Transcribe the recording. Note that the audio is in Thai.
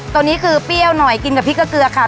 ตัวนี้คือเปรี้ยวหน่อยกินกับพริกเกลือค่ะ